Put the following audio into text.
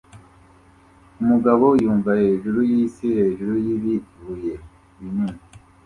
Umugabo yumva hejuru yisi hejuru yibibuye binini